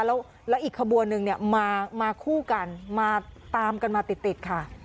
แล้วอีกขบวนนึงเนี่ยมาคู่กันมาตามกันมาติดค่ะ